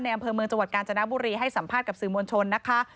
อำเภอเมืองจังหวัดกาญจนบุรีให้สัมภาษณ์กับสื่อมวลชนนะคะ